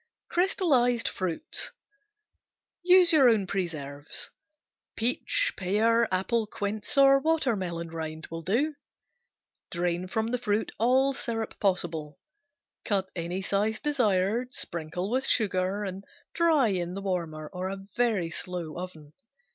Crystallized Fruits Use your own preserves. Peach, pear, apple, quince or watermelon rind will do. Drain from the fruit all syrup possible. Cut any size desired, sprinkle with sugar, and dry in the warmer or a very slow oven.